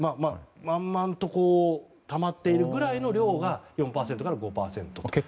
満々とたまっているぐらいの量が４％から５％。